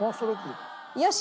よし！